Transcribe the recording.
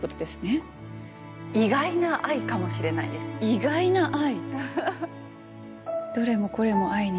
意外な愛？